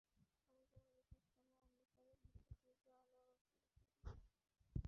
আমি যেন নিকষ কালো অন্ধকারের ভেতর তীব্র আলোর রশ্মি দেখতে পেলাম।